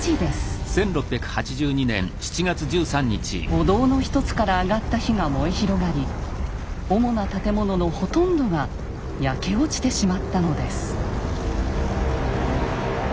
お堂の一つから上がった火が燃え広がり主な建物のほとんどが焼け落ちてしまったのです。